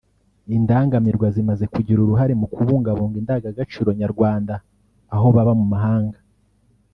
Indangamirwa zimaze kugira uruhare mu kubungabunga indangagaciro nyarwanda aho baba mu mahanga